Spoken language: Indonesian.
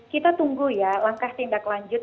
kita tunggu ya langkah tindak lanjut